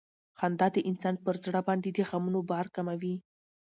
خندا د انسان پر زړه باندې د غمونو بار کموي.